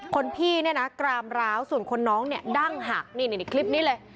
คนพี่เนี่ยนะกรามร้าวส่วนคนน้องเนี่ยดั้งหักนี่คลิปนี้เลย